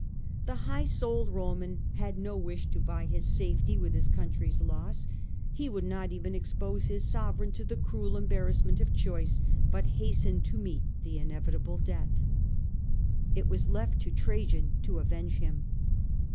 The high souled Roman had no wish to buy his safety with his country's loss ; he would not even expose his sovereign to the cruel embarrass ment of choice, but hastened to meet the inevitable death. It was left to Trajan to avenge him.